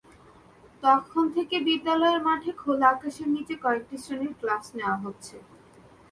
তখন থেকে বিদ্যালয়ের মাঠে খোলা আকাশের নিচে কয়েকটি শ্রেণীর ক্লাস নেওয়া হচ্ছে।